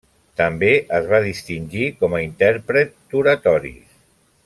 També es va distingir com a intèrpret d'oratoris.